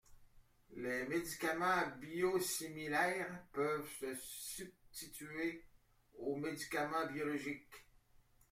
Les médicaments biosimilaires peuvent se substituer aux médicaments biologiques.